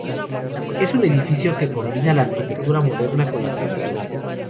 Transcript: Es un edificio que combina la arquitectura moderna con la tradicional.